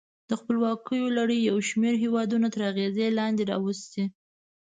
د خپلواکیو لړۍ یو شمیر هېودونه تر اغېز لاندې راوستي.